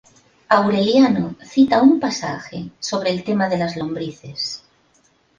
Aureliano cita una pasaje sobre el tema de las lombrices.